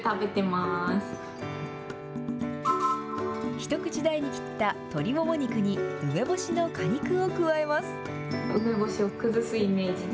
一口大に切った鶏もも肉に、梅干しの果肉を加えます。